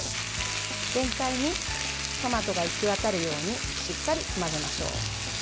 全体にトマトが行き渡るようにしっかり混ぜましょう。